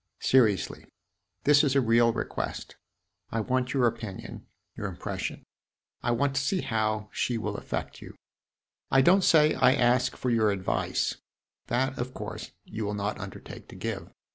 Seriously, this is a real request. I want your opinion, your impression. I want to see how she will affect you. I don't say I ask for your advice; that, of course, you will not undertake to give.